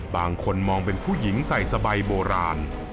บางคนมองเป็นผู้หญิงใส่สบายโบราณ